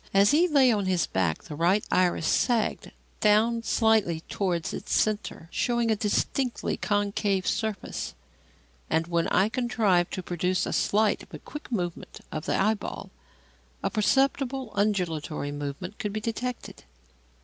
As he lay on his back, the right iris sagged down slightly towards its centre, showing a distinctly concave surface; and, when I contrived to produce a slight but quick movement of the eyeball, a perceptible undulatory movement could be detected.